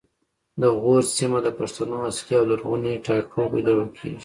د غور سیمه د پښتنو اصلي او لرغونی ټاټوبی ګڼل کیږي